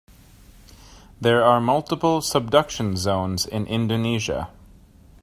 There are multiple subduction zones in Indonesia.